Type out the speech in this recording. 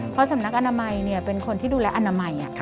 เพราะสำนักอนามัยเป็นคนที่ดูแลอนามัย